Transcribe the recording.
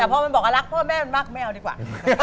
แต่พอมันบอกว่ารักพ่อแม่มันมากไม่เอาดีกว่า